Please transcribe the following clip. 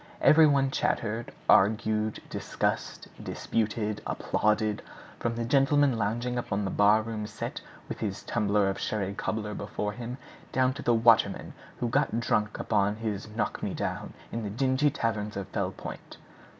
Every one chattered, argued, discussed, disputed, applauded, from the gentleman lounging upon the barroom settee with his tumbler of sherry cobbler before him down to the waterman who got drunk upon his "knock me down" in the dingy taverns of Fell Point.